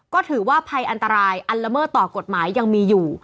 ก็ถือว่าภัยอันตรายอันละเมิดต่อกฎหมายยังมีอยู่